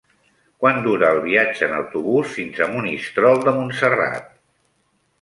Quant dura el viatge en autobús fins a Monistrol de Montserrat?